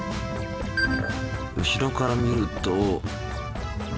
後ろから見ると。